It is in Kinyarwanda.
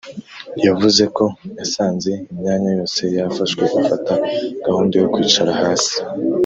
yavuze ko yasanze imyanya yose yafashwe afata gahunda yo kwicara hasi